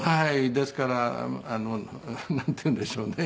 ですからなんていうんでしょうね。